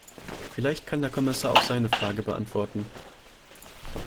Vielleicht kann der Kommissar auch seine Frage beantworten.